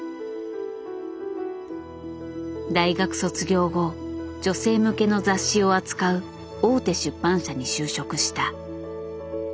大学卒業後女性向けの雑誌を扱う大手出版社に就職した。